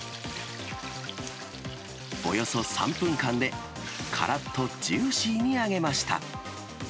およそ３分間で、からっとジューシーに揚げました。